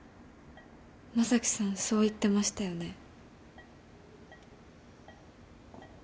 将貴さんそう言ってましたよね？